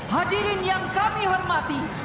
hadirin yang kami hormati